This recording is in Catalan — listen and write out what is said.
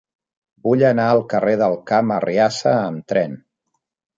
Vull anar al carrer del Camp Arriassa amb tren.